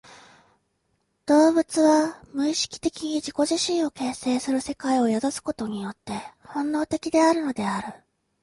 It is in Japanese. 動物は無意識的に自己自身を形成する世界を宿すことによって本能的であるのである。